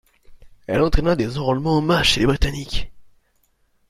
Elle entraîna des enrôlements en masse chez les Britanniques.